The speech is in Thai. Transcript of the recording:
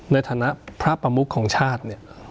ในฐานะพระประมุขของชาติ